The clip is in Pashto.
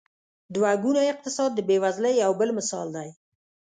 دوه ګونی اقتصاد د بېوزلۍ یو بل مثال دی.